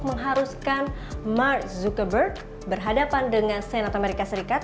mengharuskan mark zuckerberg berhadapan dengan senat amerika serikat